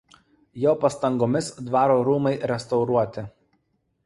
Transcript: Jo pastangomis dvaro rūmai restauruoti.